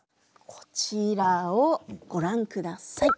こちらをご覧下さい。